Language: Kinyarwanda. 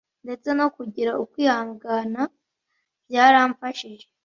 ndetse no kugira ukwihangana byaramfashije,